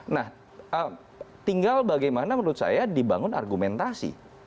nah tinggal bagaimana menurut saya dibangun argumentasi